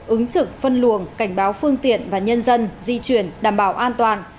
ứng trực phân luồng cảnh báo phương tiện và nhân dân di chuyển đảm bảo an toàn